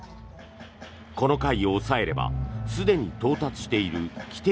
この回を抑えればすでに到達している規定